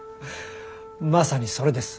まさにそれです！